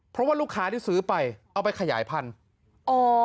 เพราะว่าลูกค้าที่ซื้อไปเอาไปขยายพันธุ์